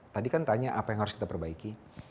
tadi kan tanya apa yang harus kita perbaiki